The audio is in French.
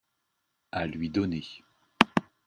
à lui donner.